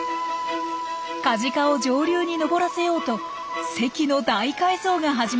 カジカを上流に上らせようと堰の大改造が始まったんです。